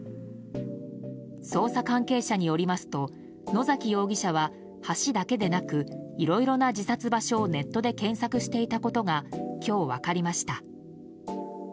捜査関係者によりますと野崎容疑者は橋だけでなくいろいろな自殺場所をネットで検索していたことが今日、分かりました。